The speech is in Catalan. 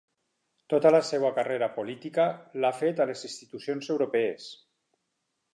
Tota la seva carrera política l'ha fet a les institucions europees.